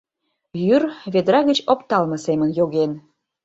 Йӱр ведра гыч опталме семын йоген.